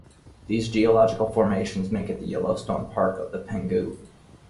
These geological formations make it "The Yellowstone Park of the Penghu".